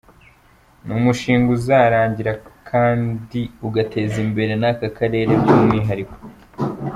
Ni umushinga uzarangira kandi ugateza imbere n’aka Karere by’umwihariko.